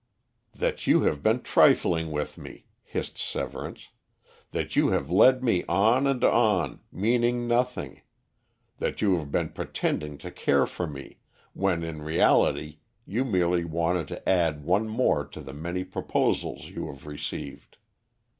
"That you have been trifling with me," hissed Severance; "that you have led me on and on, meaning nothing; that you have been pretending to care for me when in reality you merely wanted to add one more to the many proposals you have received.